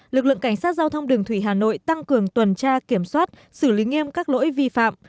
lực lượng cảnh sát giao thông đường thủy hà nội tăng cường tuần tra kiểm soát xử lý nghiêm các lỗi vi phạm